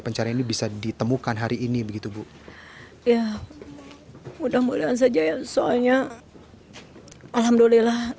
pencarian ini bisa ditemukan hari ini begitu bu ya mudah mudahan saja ya soalnya alhamdulillah